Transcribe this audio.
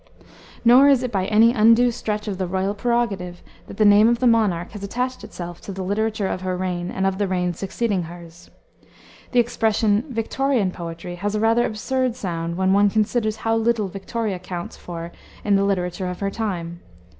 Nor is it by any undue stretch of the royal prerogative that the name of the monarch has attached itself to the literature of her reign and of the reigns succeeding hers. The expression "Victorian poetry" has a rather absurd sound when one considers how little Victoria counts for in the literature of her time.